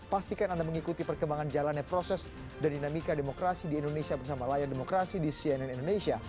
pastikan anda mengikuti perkembangan jalannya proses dan dinamika demokrasi di indonesia bersama layar demokrasi di cnn indonesia